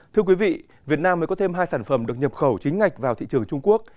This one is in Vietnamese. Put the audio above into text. thưa quý vị việt nam mới có thêm hai sản phẩm được nhập khẩu chính ngạch vào thị trường trung quốc